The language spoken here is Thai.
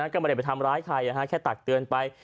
ก็ไม่ได้ไปทำร้ายใครแค่ตักเตือนไป